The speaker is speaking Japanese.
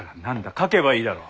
描けばいいだろう。